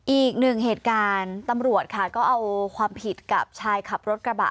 อีกหนึ่งเหตุการณ์ตำรวจค่ะก็เอาความผิดกับชายขับรถกระบะ